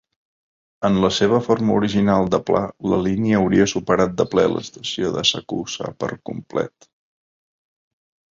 En la seva forma original de pla, la línia hauria superat de ple l'estació d'Asakusa per complet.